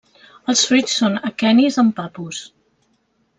Els fruits són aquenis amb papus.